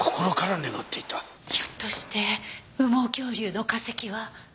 ひょっとして羽毛恐竜の化石は。